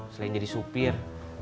selain jadi supir